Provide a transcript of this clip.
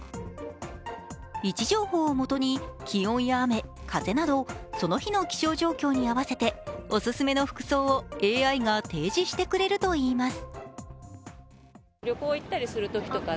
位置情報をもとに気温や雨、風などその日の気象状況に合わせておすすめの服装をＡＩが提示してくれるといいます。